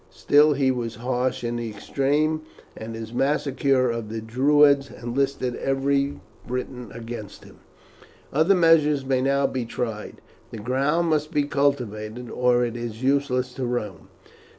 Still he was harsh in the extreme, and his massacre of the Druids enlisted every Briton against him. Other measures may now be tried; the ground must be cultivated, or it is useless to Rome.